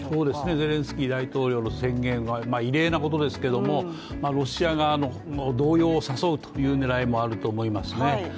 ゼレンスキー大統領の宣言は異例なことですけれども、ロシア側の動揺を誘うという狙いもあると思いますね。